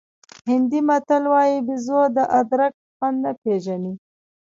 هندي متل وایي بېزو د ادرک خوند نه پېژني.